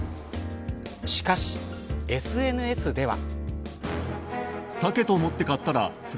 しかしＳＮＳでは。